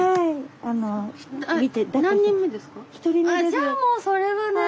じゃあもうそれはね。